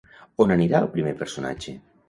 On anirà el primer personatge?